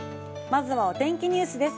まずはお天気ニュースです。